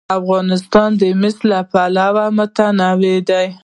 افغانستان د مس له پلوه متنوع دی.